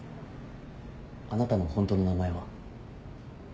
あなたのホントの名前は？